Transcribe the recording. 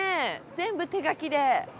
全部手書きで。